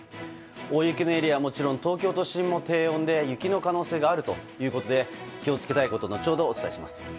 大雪のエリアはもちろん東京都心も低温で雪の可能性があるということで気を付けたいことを後ほど、お伝えします。